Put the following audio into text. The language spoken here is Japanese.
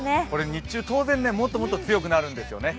日中、当然もっともっと強くなるんですよね。